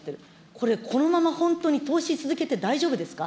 これ、このまま本当に投資続けて大丈夫ですか。